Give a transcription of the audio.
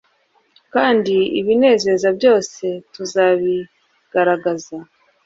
kandi ibinezeza byose tuzabigaragaza